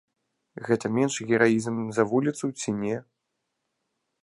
Гэта меншы гераізм за вуліцу ці не?